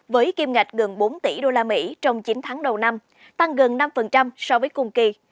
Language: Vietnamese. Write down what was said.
với kim ngạch gần bốn tỷ usd trong chín tháng đầu năm tăng gần năm so với cùng kỳ